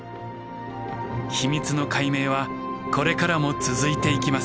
秘密の解明はこれからも続いていきます。